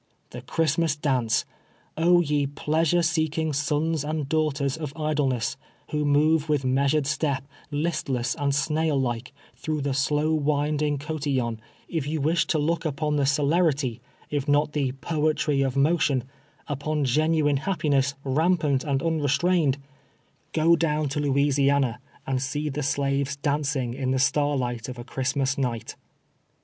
The Christmas dance ! Oh, ye pleasure seeking sons and daughters of idleness, who move with measured step, listless and snail like, through the slow winding cotillon, if ye wisli to look 218 TWELVE YEARS A SLAVE. upon the celerity, ii" not the " poetry of motion" — upon genuine liaj^piness, rmnpant and unrestrained — go down to Louisiana, and see the shives dancing in the starlight of a Christmas night.